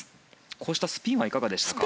こうしたスピンはいかがでしたか。